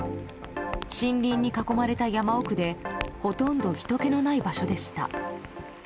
森林に囲まれた山奥でほとんどひとけのない場所でした。